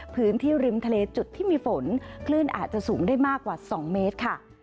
พื้นที่ริมทะเลจุดที่มีฝนคลื่นอาจจะสูงได้มากกว่า๒เมตรค่ะ